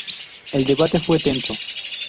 El debate fue tenso.